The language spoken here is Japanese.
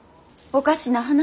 おかしな話。